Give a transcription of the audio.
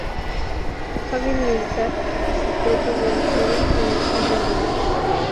Hábil militar, sus tropas vencieron en los enfrentamientos.